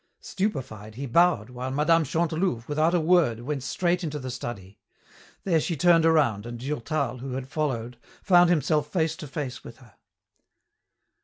Stupefied, he bowed, while Mme. Chantelouve, without a word, went straight into the study. There she turned around, and Durtal, who had followed, found himself face to face with her.